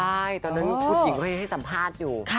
ใช่ตอนนั้นคุณหญิงเขายังให้สัมภาษณ์อยู่